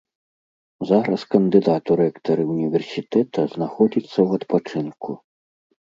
Зараз кандыдат у рэктары ўніверсітэта знаходзіцца ў адпачынку.